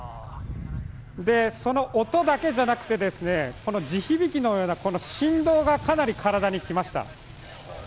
その音だけじゃなくて地響きのような振動がかなり体にきました。